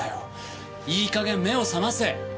いい加減目を覚ませ！